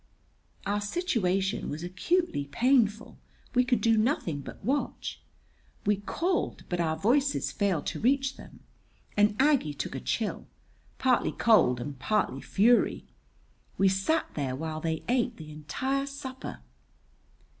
Our situation was acutely painful. We could do nothing but watch. We called, but our voices failed to reach them. And Aggie took a chill, partly cold and partly fury. We sat there while they ate the entire supper!